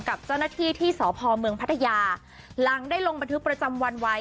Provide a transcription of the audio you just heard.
กับเจ้าหน้าที่ที่สพเมืองพัทยาหลังได้ลงบันทึกประจำวันไว้